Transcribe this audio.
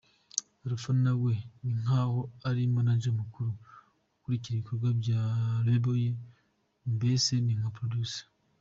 Alpha nawe ninkaho ari manager mukuru ukurikira ibikorwa bya label ye, mbese ninka producer.